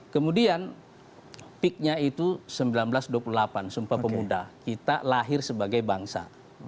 kemudian peaknya itu seribu sembilan ratus dua puluh delapan sumpah pemuda kita lahir sebagai bangsa